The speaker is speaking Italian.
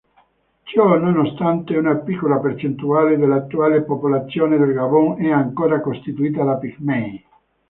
Ciononostante una piccola percentuale dell'attuale popolazione del Gabon è ancora costituita da pigmei.